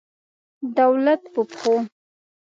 دولت په پښتو.